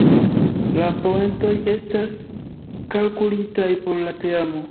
La poentoj estas kalkulitaj por la teamo.